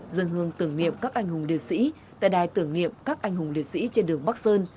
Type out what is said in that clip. dân hương tưởng niệm các anh hùng liệt sĩ tại đài tưởng niệm các anh hùng liệt sĩ trên đường bắc sơn